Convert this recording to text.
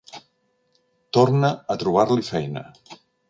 Torna a trobar-li feina.